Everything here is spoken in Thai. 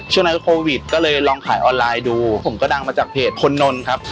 ช่วงนั้นโควิดก็เลยลองขายออนไลน์ดูผมก็ดังมาจากเพจพลนนท์ครับ